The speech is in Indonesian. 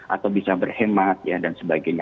atau bisa berhemat dan sebagainya